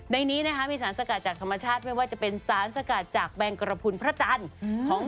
ในสารสกัดจากธรรมชาติก็เป็นสารสกัดจากแบลงกระพวงพระจันทร์